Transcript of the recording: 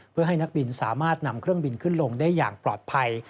เพื่อให้นักบินสามารถนำเครื่องบินขึ้นลงได้อย่างปลอดภัย